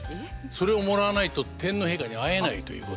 それをもらわないと天皇陛下に会えないということで。